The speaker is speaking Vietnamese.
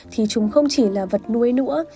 thì chúng không chỉ là vật nuôi nữa